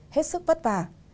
hết sức vất vả